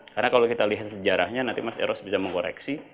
karena kalau kita lihat sejarahnya nanti mas eros bisa mengoreksi